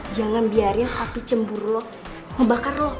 jangan biarin hati cemburu lo ngebakar lo